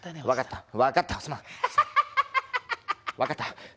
分かった。